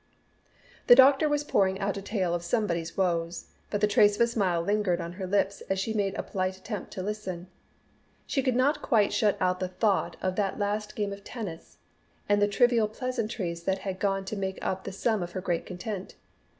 The doctor was pouring out a tale of somebody's woes, but the trace of a smile lingered on her lips as she made a polite attempt to listen. She could not quite shut out the thought of that last game of tennis, and the trivial pleasantries that had gone to make up the sum of her great content.